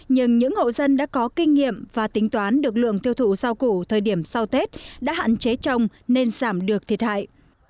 nhưng những hộ dân đã có kinh nghiệm và tính toán được lượng tiêu thụ rau củ thời điểm sau tết đã hạn chế trồng nên giảm được thiệt hại